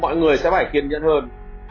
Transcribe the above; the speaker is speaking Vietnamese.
mọi người sẽ phải kiên nhẫn hơn